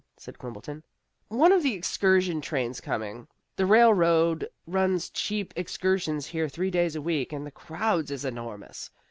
said Quimbleton. "One of the excursion trains coming. The railroad runs cheap excursions here three days a week, and the crowds is enormous.